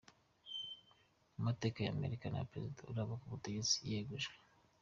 Mu mateka y'Amerika, nta perezida urava ku butegetsi yegujwe.